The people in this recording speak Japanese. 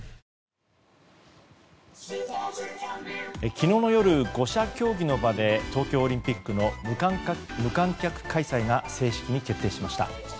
昨日の夜、５者協議の場で東京オリンピックの無観客開催が正式に決定しました。